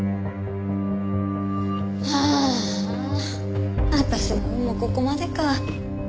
ああ私の運もここまでか。